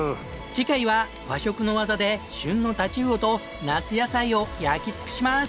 次回は和食の技で旬の太刀魚と夏野菜を焼き尽くします！